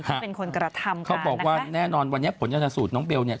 เป็นคนกระทำค่ะเขาบอกว่าแน่นอนวันนี้ผลชนสูตรน้องเบลเนี่ย